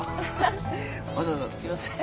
わざわざすいません。